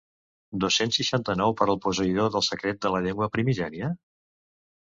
Dos-cents seixanta-nou para el posseïdor del secret de la llengua primigènia?